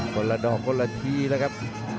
คนละดอกคนละทีเลยครับ